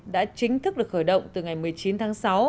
đã chính thức được khởi động từ ngày một mươi chín tháng sáu